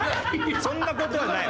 そんな事はない。